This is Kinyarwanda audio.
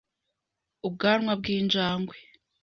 Ubwanwa bw’injangwe